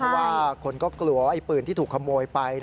ว่าคนก็กลัวไอ้ปืนที่ถูกขโมยไป